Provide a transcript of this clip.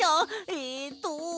えっと。